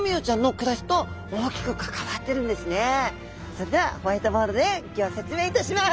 それではホワイトボードでギョ説明いたします。